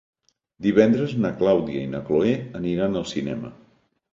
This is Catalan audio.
Divendres na Clàudia i na Cloè aniran al cinema.